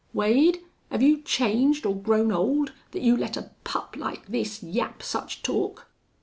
Wade, have you changed or grown old thet you let a pup like this yap such talk?"